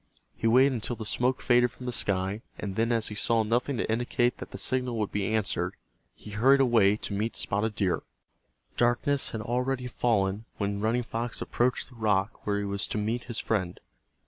He waited until the smoke faded from the sky, and then as he saw nothing to indicate that the signal would be answered he hurried away to meet Spotted Deer. Darkness had already fallen when Running Fox approached the rock where he was to meet his friend.